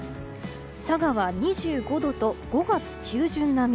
佐賀は２５度と５月中旬並み。